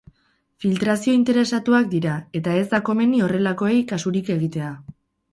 Filtrazio interesatuak dira eta ez da komeni horrelakoei kasurik egitea.